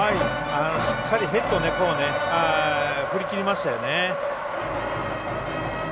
しっかりヘッドを振り切りました。